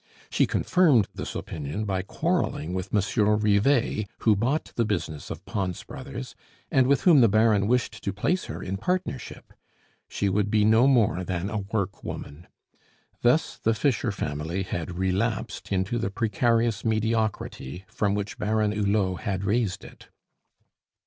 She confirmed this opinion by quarreling with Monsieur Rivet, who bought the business of Pons Brothers, and with whom the Baron wished to place her in partnership; she would be no more than a workwoman. Thus the Fischer family had relapsed into the precarious mediocrity from which Baron Hulot had raised it.